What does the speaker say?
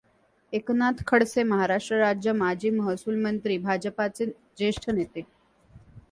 एकनाथ खडसे महाराष्ट्र राज्य माजी महसूलमंत्री, भाजपचे ज्येष्ठ नेते.